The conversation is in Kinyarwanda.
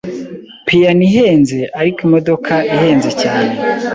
Piyano ihenze, ariko imodoka ihenze cyane.